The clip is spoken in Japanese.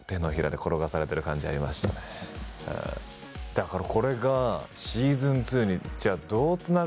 だから。